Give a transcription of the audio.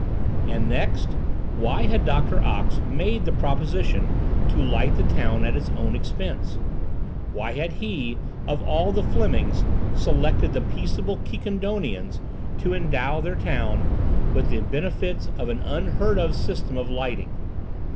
And next, why had Doctor Ox made the proposition to light the town at his own expense? Why had he, of all the Flemings, selected the peaceable Quiquendonians, to endow their town with the benefits of an unheard of system of lighting?